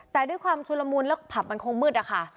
แต่ด้วยความชุลมูลแล้วผับมันคงมืดอะค่ะ